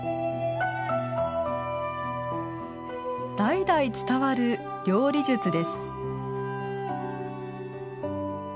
代々伝わる料理術です。